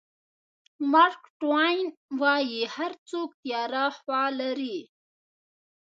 مارک ټواین وایي هر څوک تیاره خوا لري.